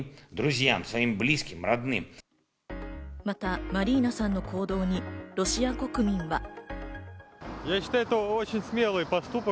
またマリーナさんの行動にロシア国民は。